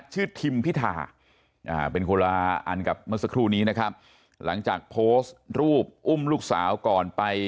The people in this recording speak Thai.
ทิมพิธาเป็นคนละอันกับเมื่อสักครู่นี้นะครับหลังจากโพสต์รูปอุ้มลูกสาวก่อนไป